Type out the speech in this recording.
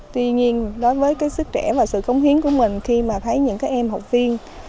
tuy nhiên đối với sức trẻ và sự cống hiến của mình khi thấy những em học viên